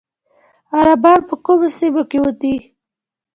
عربان په کومو سیمو کې دي؟